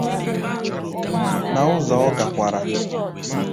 na ụzọ ọ gakwara.